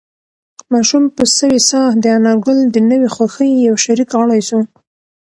ماشوم په سوې ساه د انارګل د نوې خوښۍ یو شریک غړی شو.